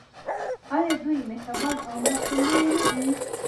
آیا دوی مهربان او مرستندوی نه دي؟